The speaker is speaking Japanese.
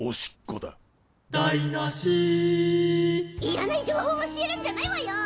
「だいなし」いらない情報教えるんじゃないわよ！